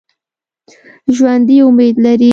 ژوندي امید لري